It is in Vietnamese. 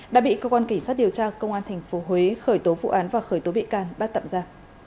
đã bị cơ quan cảnh sát điều tra công an tp huế khởi tố vụ án và khởi tố bị can bắt tạm ra